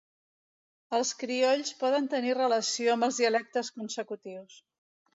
Els criolls poden tenir relació amb els dialectes consecutius.